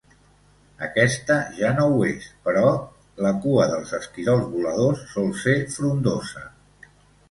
Aquesta ja no ho és, però la cua dels esquirols voladors sol ser frondosa.